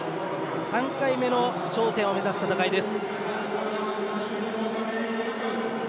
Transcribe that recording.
３回目の頂点を目指す戦いです。